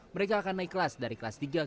mereka akan naik kelas dari kelas tiga